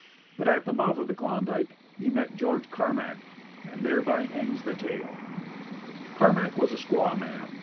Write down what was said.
But at the mouth of the Klondike he met George Carmack, and thereby hangs the tale. Carmack was a squawman.